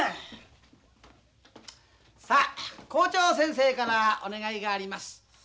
さあ校長先生からお願いがあります。